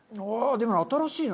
でも新しいな。